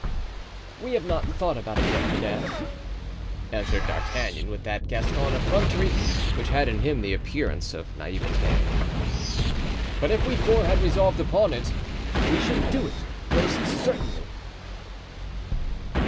"We have not thought about it yet, madame," answered D'Artagnan, with that Gascon effrontery which had in him the appearance of naivete; "but if we four had resolved upon it we should do it most certainly."